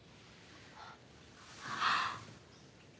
ああ！